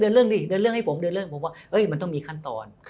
เรื่องดิเดินเรื่องให้ผมเดินเรื่องผมว่ามันต้องมีขั้นตอน